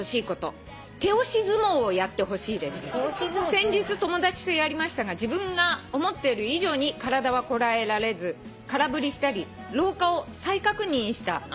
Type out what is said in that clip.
「先日友達とやりましたが自分が思っている以上に体はこらえられず空振りしたり老化を再確認した年女４８歳」